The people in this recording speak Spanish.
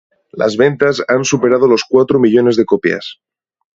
Las ventas han superado los cuatro millones de copias.